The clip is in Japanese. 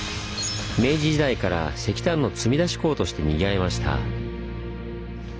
明治時代から石炭の積み出し港としてにぎわいました。